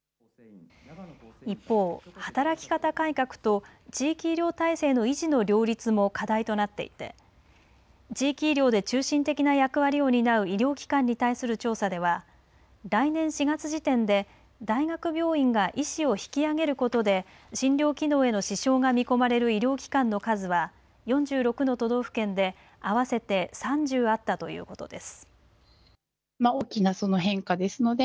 一方、働き方改革と地域医療体制の維持の両立も課題となっていて地域医療で中心的な役割を担う医療機関に対する調査では来年４月時点で大学病院が医師を引き上げることで診療機能への支障が見込まれる医療機関の数は４６の都道府県で合わせて３０あったということです。